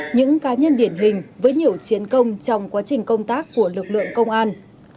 những cá nhân điển hình với nhiều chiến công trong quá trình công tác của lực lượng công an